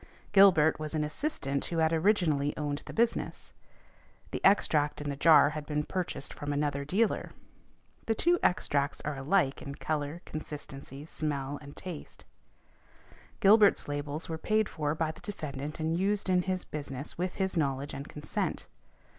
Gilbert was an assistant who had originally owned the business. The extract in the jar had been purchased from another dealer. The two extracts are alike in colour, consistency, smell and taste. Gilbert's labels were paid for by defendant and used in his business with his knowledge and consent.